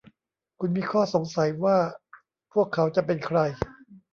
คุณมีข้อสงสัยว่าพวกเขาจะเป็นใคร ?